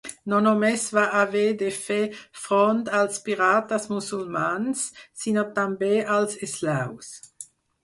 No només va haver de fer front als pirates musulmans, sinó també als eslaus.